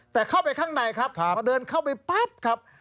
แต่เข้าไปข้างในครับพอเดินเข้าไปปั๊บครับ